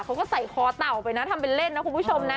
เขาก็ใส่คอเต่าไปนะทำเป็นเล่นนะคุณผู้ชมนะ